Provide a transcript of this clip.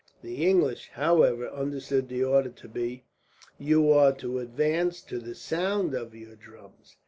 The English, however, understood the order to be, "You are to advance to the sound of your drums."